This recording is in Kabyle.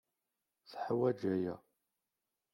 Teḥwaj aya.